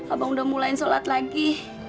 abang udah mulai sholat lagi